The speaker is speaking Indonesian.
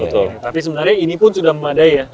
betul tapi sebenarnya ini pun sudah memadai ya